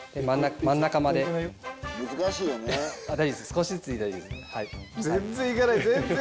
少しずつで大丈夫です。